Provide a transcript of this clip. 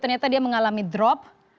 ternyata dia mengalami drop